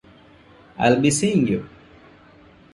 I'll be seeing you.